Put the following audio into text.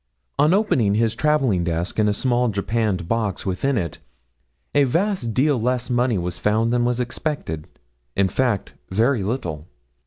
'On opening his travelling desk and a small japanned box within it a vast deal less money was found than was expected in fact, very little.